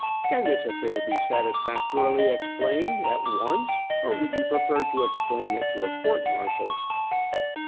Can this affair be satisfactorily explained, at once, or would you prefer to explain it to a court martial?"